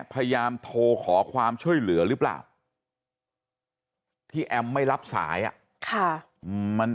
พยายามโทรขอความช่วยเหลือหรือเปล่าที่แอมไม่รับสายมัน